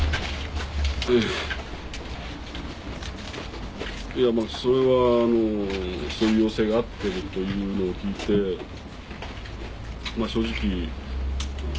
えぇいやまぁそれはそういう要請があってるというのを聞いて正直。